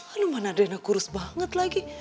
aduh mana adriana kurus banget lagi